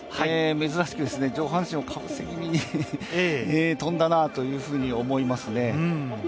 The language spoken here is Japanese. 珍しく上半身をかぶせ気味に飛んだなっていうふうに思いますね。